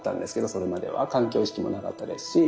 それまでは環境意識もなかったですし。